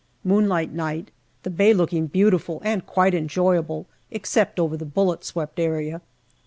Moonlight night, the bay looking beautiful and quite enjoyable, except over the bullet swept area.